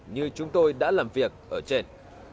như chúng tôi đã làm việc ở trên